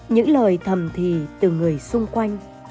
những lời thầm thì từ người xung quanh